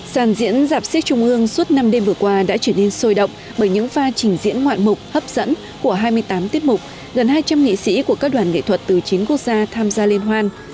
sàn diễn giạp siếc trung ương suốt năm đêm vừa qua đã trở nên sôi động bởi những pha trình diễn ngoạn mục hấp dẫn của hai mươi tám tiết mục gần hai trăm linh nghị sĩ của các đoàn nghệ thuật từ chín quốc gia tham gia liên hoan